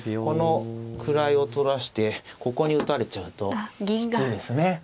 この位を取らしてここに打たれちゃうときついですね。